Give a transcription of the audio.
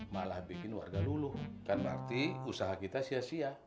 malah bikin warga luluh kan berarti usaha kita sia sia